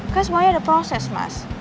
kan semuanya ada proses mas